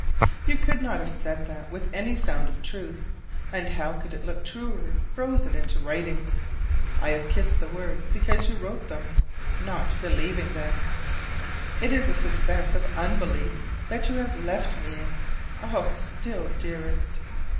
You could not have said that with any sound of truth; and how can it look truer frozen into writing? I have kissed the words, because you wrote them; not believing them. It is a suspense of unbelief that you have left me in, oh, still dearest!